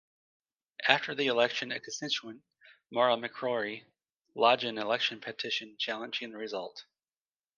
After the election a constituent, Maura McCrory, lodged an election petition challenging the result.